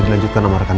kadang ada temen lain